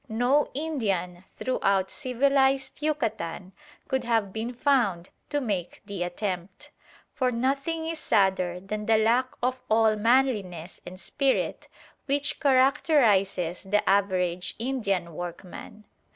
No Indian throughout civilised Yucatan could have been found to make the attempt. For nothing is sadder than the lack of all manliness and spirit which characterises the average Indian workman.